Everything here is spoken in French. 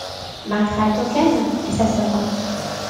Margrete Auken est sa sœur.